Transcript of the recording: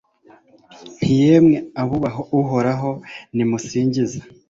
nti yemwe, abubaha uhoraho, nimumusingize